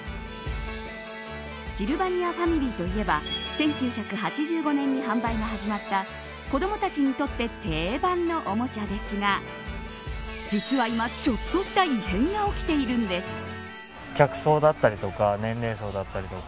シルバニアファミリーといえば１９８５年に販売が始まった子どもたちにとって定番のおもちゃですが実は今、ちょっとした異変が起きているんです。